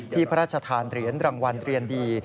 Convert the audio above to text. พระราชทานเหรียญรางวัลเรียนดี